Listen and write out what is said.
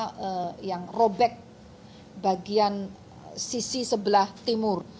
ini gempa yang robek bagian sisi sebelah timur